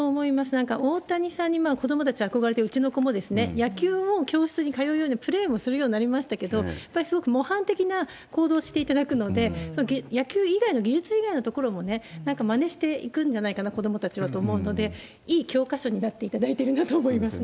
なんか大谷さんに子どもたち憧れて、うちの子も野球を教室に通うように、プレーもするようになりましたけれども、やっぱりすごく模範的な行動していただくので、野球以外の技術以外のところも、なんかまねしていくんじゃないかな、子どもたちはと思うので、いい教科書になっていただいているなとそうですね。